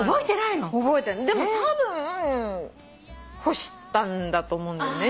でもたぶん干したんだと思うんだよね。